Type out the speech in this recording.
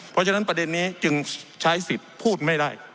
เพราะฉะนั้นประเด็นนี้จึงใช้สิทธิ์พูดไม่ได้